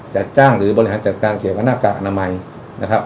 จัดจ้างหรือบริหารจัดการเกี่ยวกับหน้ากากอนามัยนะครับ